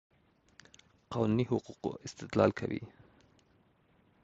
قانوني حقوقو استدلال کوي.